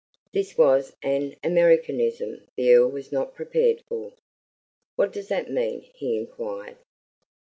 This was an Americanism the Earl was not prepared for. "What does that mean?" he inquired.